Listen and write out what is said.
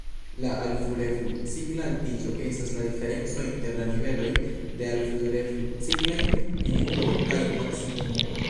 La "alflu-reflu-cikla altiĝo" estas la diferenco inter la niveloj de alflu-reflu-ciklaj minimumo kaj maksimumo.